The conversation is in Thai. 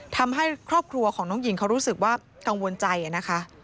ทำให้ครอบครัวของน้องหญิงเขารู้สึกว่ากังวลใจนะคะ